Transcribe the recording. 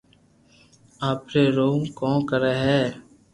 ايتي رڙ ڪون ڪري ھي